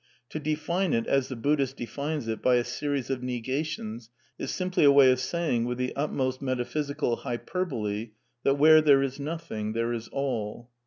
To define it, as the Bud dhist defines it, by a series of negations, is simply a way of saying, vnth the utmost metaphysical hyperbole, that where there is Nothing there is All.